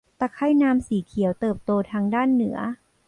ตะไคร่น้ำสีเขียวเติบโตทางด้านเหนือ